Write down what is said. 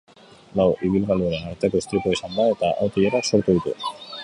Lau ibilgailuren arteko istripua izan da, eta auto-ilarak sortu ditu.